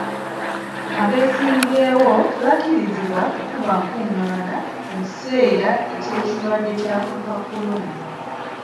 Abeesimbyewo tebakkirizibwa kukuba nkungaana mu kiseera k'ekirwadde ky'akawuka ka kolona.